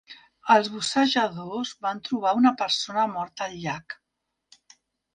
Els bussejadors van trobar una persona morta al llac.